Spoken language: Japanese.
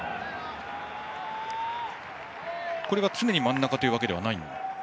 これは常に真ん中というわけではないんですか。